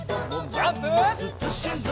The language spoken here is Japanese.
ジャンプ！